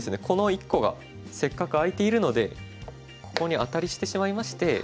この１個がせっかく空いているのでここにアタリしてしまいまして。